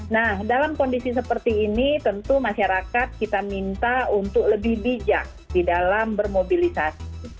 nah dalam kondisi seperti ini tentu masyarakat kita minta untuk lebih bijak di dalam bermobilisasi